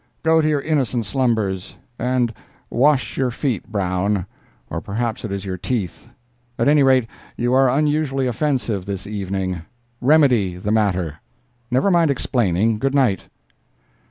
Go to your innocent slumbers. And wash your feet, Brown—or perhaps it is your teeth—at any rate you are unusually offensive this evening. Remedy the matter. Never mind explaining—good night."